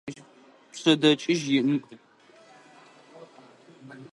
Пшъэдэкӏыжь ин.